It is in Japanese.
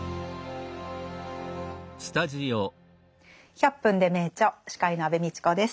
「１００分ｄｅ名著」司会の安部みちこです。